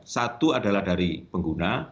satu adalah dari pengguna